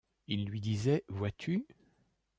Il lui disait : Vois-tu… »